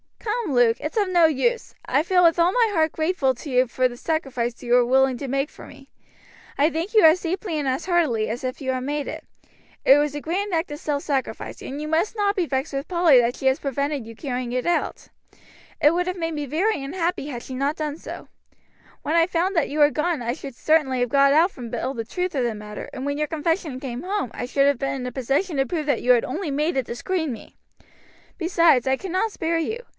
Come, Luke, it's of no use. I feel with all my heart grateful to you for the sacrifice you were willing to make for me. I thank you as deeply and as heartily as if you had made it. It was a grand act of self sacrifice, and you must not be vexed with Polly that she has prevented you carrying it out. It would have made me very unhappy had she not done so. When I found that you were gone I should certainly have got out from Bill the truth of the matter, and when your confession came home I should have been in a position to prove that you had only made it to screen me. Besides, I cannot spare you.